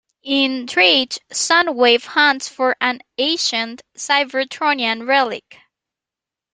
In "Triage", Soundwave hunts for an ancient Cybertronian relic.